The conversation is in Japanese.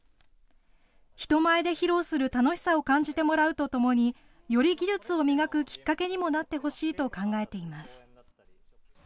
人前で披露する楽しさを感じてもらうとともに、より技術を磨くきっかけにもなってほしいと考えています。